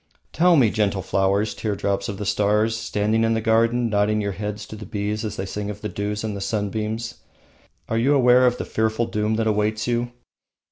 Tell me, gentle flowers, teardrops of the stars, standing in the garden, nodding your heads to the bees as they sing of the dews and the sunbeams, are you aware of the fearful doom that awaits you?